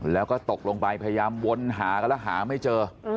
แล้วก็ตกลงไปพยายามวนหากันแล้วหาไม่เจอ